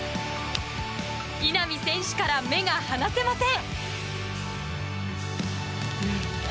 稲見選手から目が離せません。